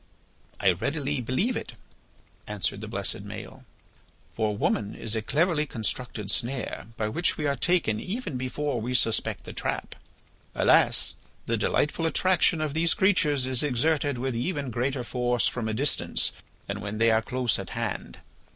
"I readily believe it," answered the blessed Maël. "For woman is a cleverly constructed snare by which we are taken even before we suspect the trap. Alas! the delightful attraction of these creatures is exerted with even greater force from a distance than when they are close at hand.